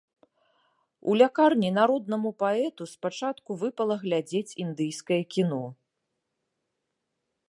У лякарні народнаму паэту спачатку выпала глядзець індыйскае кіно.